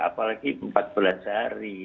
apalagi empat belas hari